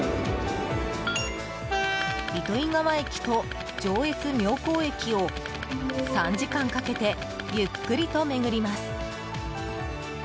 糸魚川駅と上越妙高駅を３時間かけてゆっくりと巡ります。